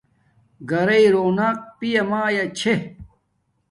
گھرݵݵ رونق پیا مایا چھے